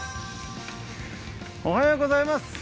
おはようございます。